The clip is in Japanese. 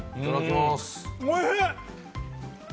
おいしい！